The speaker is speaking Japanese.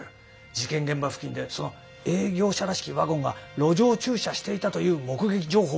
事件現場付近でその営業車らしきワゴンが路上駐車していたという目撃情報も得た。